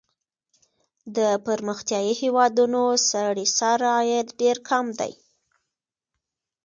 د پرمختیايي هېوادونو سړي سر عاید ډېر کم دی.